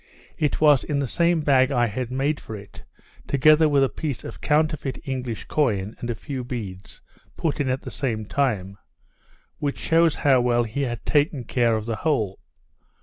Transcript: It was in the same bag I had made for it, together with a piece of counterfeit English coin, and a few beads, put in at the same time; which shews how well he had taken care of the whole.